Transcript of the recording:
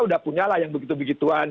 udah punya lah yang begitu begituan